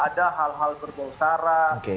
ada hal hal berbosara oke